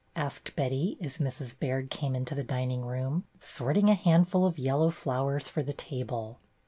asked Betty, as Mrs. Baird came into the dining room, sorting a handful of yellow flowers for the table.